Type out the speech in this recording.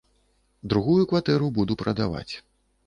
Другую кватэру буду прадаваць.